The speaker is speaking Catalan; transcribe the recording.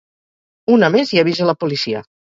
Una més i avise la policia.